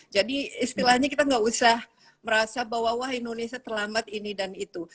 jadi istilahnya kita enggak usah merasa bahwa wah indonesia terlambat ini dan itu